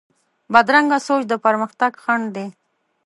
بدرنګه سوچ د پرمختګ خنډ دی